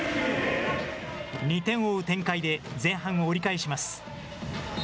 ２点を追う展開で、前半を折り返します。